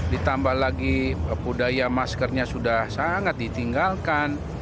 ditambah lagi budaya maskernya sudah sangat ditinggalkan